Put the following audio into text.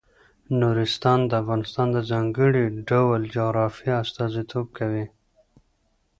نورستان د افغانستان د ځانګړي ډول جغرافیه استازیتوب کوي.